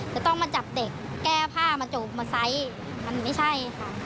จะต้องมาจับเด็กแก้ผ้ามาจูบมาไซส์มันไม่ใช่ค่ะ